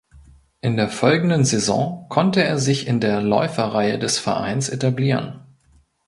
In der folgenden Saison konnte er sich in der Läuferreihe des Vereins etablieren.